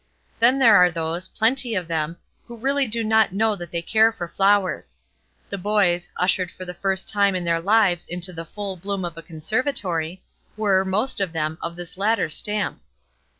Then there are those, plenty of them, who really do not know that they care for flowers. The boys, ushered for the first time in their lives into the full bloom of a conservatory, were, most of them, of this latter stamp.